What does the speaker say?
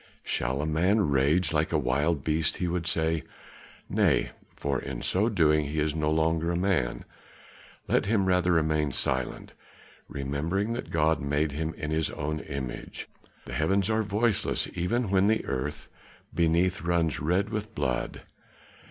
"Shall a man rage like a wild beast?" he would say. "Nay, for in so doing he is no longer a man; let him rather remain silent, remembering that God made him in his own image. The heavens are voiceless even when the earth beneath runs red with blood.